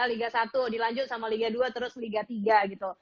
liga satu dilanjut sama liga dua terus liga tiga gitu